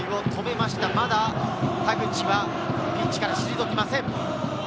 まだ、田口はピッチから退きません。